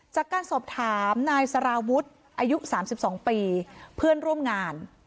จากการสอบถามนายสารวุฒิอายุ๓๒ปีเพื่อนร่วมงาน